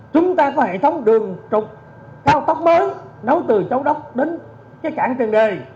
chúng ta có hệ thống đường trục cao tốc mới nối từ châu đốc đến cảng trần đề